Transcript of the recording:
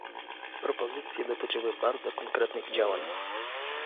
Propozycje dotyczyły bardzo konkretnych działań